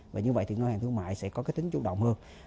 và như vậy ngân hàng thương mại sẽ có tính chủ động hơn